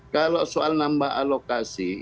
kalau soal nambah alokasi